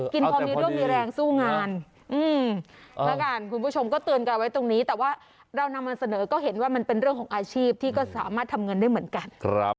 กินพอมีโรคมีแรงสู้งานแล้วกันคุณผู้ชมก็เตือนกันไว้ตรงนี้แต่ว่าเรานำมาเสนอก็เห็นว่ามันเป็นเรื่องของอาชีพที่ก็สามารถทำเงินได้เหมือนกัน